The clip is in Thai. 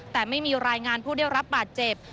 แต่ไม่มีรายงานผู้ได้รับบาดเจ็บ